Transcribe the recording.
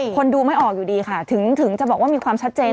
คนดูไม่ออกอยู่ดีค่ะถึงจะบอกว่ามีความชัดเจน